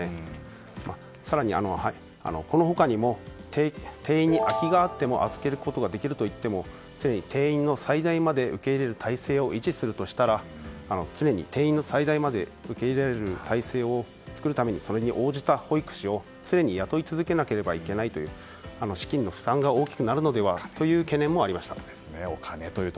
更にこの他、定員に空きがあっても預けることができるといっても常に定員の最大まで受け入れる体制を維持するとしたら常に定員の最大まで受け入られる体制を作るように、それに応じた保育士を常に雇い続けなければいけないという資金の負担が大きくなるのではという懸念がありました。